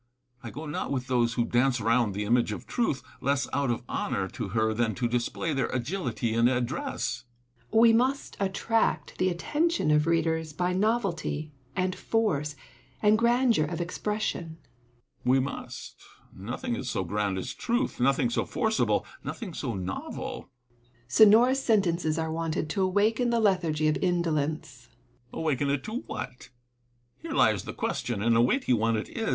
I go not with those who dance round tlie image of Trutli, less out of honour to her than to display their agility and address. Seneca. We must attract .the attention of readoi's by novelty, and force, and grandeur of expression. EPICTETUS AND SENECA. ig Epictetus. We must. Nothing is so grand as truth, nothing so forcible, nothing so novel. Seneca. Sonorous sentences are wanted to awaken the lethargy of indolence. Epictetus. A^vaken it to what '2 Here lies the question; and a weighty one it is.